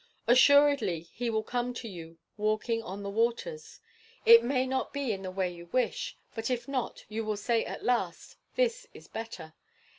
Assuredly he will come to you walking on the waters. It may not be in the way you wish, but if not, you will say at last, 'This is better.